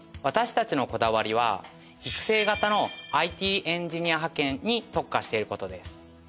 私たちのこだわりは育成型のＩＴエンジニア派遣に特化している事です。